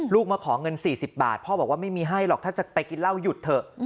มาขอเงิน๔๐บาทพ่อบอกว่าไม่มีให้หรอกถ้าจะไปกินเหล้าหยุดเถอะ